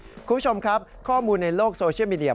คุณผู้ชมครับข้อมูลในโลกโซเชียลมีเดีย